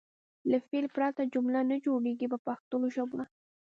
له فعل پرته جمله نه جوړیږي په پښتو ژبه.